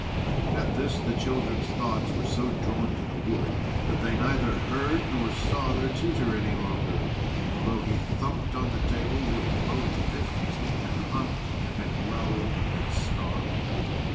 At this the children's thoughts were so drawn to the wood, that they neither heard nor saw their tutor any longer; although he thumped on the table with both his fists, and hummed, and growled, and snarled.